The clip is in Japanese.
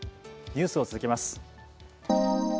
ニュースを続けます。